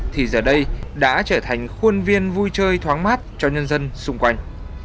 thì giờ đây đã trở thành khuôn viên vui chơi thoáng mát cho nhân dân xung quanh